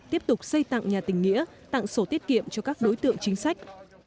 tiếp tục xây tặng nhà tình nghĩa tặng sổ tiết kiệm cho các đối tượng chính sách